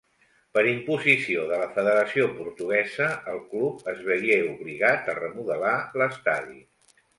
Per imposició de la Federació Portuguesa, el club es veié obligat a remodelar l'estadi.